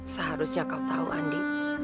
seharusnya kau tahu andi